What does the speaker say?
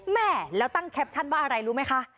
แม่แล้วตั้งแคปชั่นว่าอะไรรู้ไหมคะ